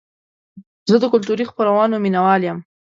زه د کلتوري خپرونو مینهوال یم.